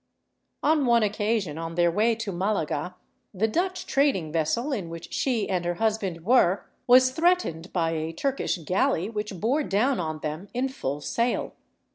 On one occasion, on their way to Malaga, the Dutch trading vessel in which she and her husband were was threatened by a Turkish galley which bore down on them in full sail.